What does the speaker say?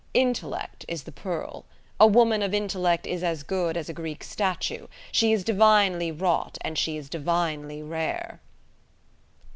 Intellect is the pearl. A woman of intellect is as good as a Greek statue; she is divinely wrought, and she is divinely rare."